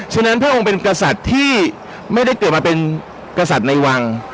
ฉะนั้นพระองค์เป็นกษัตริย์ที่ไม่ได้เกิดมาเป็นกษัตริย์ในวัง